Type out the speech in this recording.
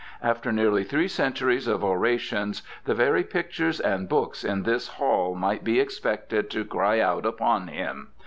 After nearly three centuries of orations the very pictures and books in this hall might be expected to cry out upon him.